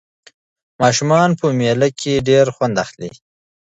ماشومان په مېله کې ډېر خوند اخلي.